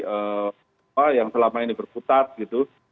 apa yang selama ini berputar gitu